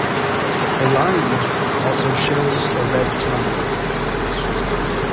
The lion also shows a red tongue.